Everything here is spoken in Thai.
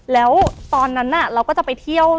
แล้วเราจะไปเที่ยว